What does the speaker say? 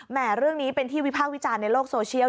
เรื่องนี้เป็นที่วิพากษ์วิจารณ์ในโลกโซเชียล